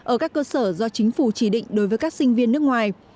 ở các cơ sở do chính phủ chỉ định đối với các sinh viên nước ngoài